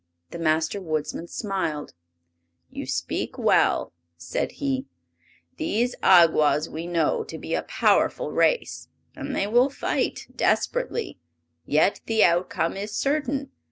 The Master Woodsman smiled. "You speak well," said he. "These Awgwas we know to be a powerful race, and they will fight desperately; yet the outcome is certain.